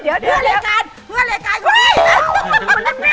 จะเปลี่ยนเป็นรูช่องเอิญหรอคะ